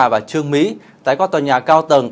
và trương mỹ tái qua tòa nhà cao tầng